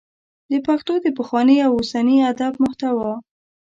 د پښتو د پخواني او اوسني ادب محتوا